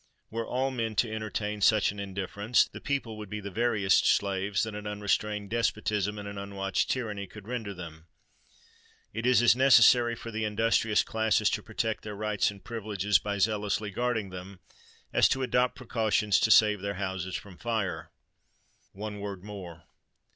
Were all men to entertain such an indifference, the people would be the veriest slaves that an unrestrained despotism and an unwatched tyranny could render them. It is as necessary for the industrious classes to protect their rights and privileges by zealously guarding them, as to adopt precautions to save their houses from fire. One word more.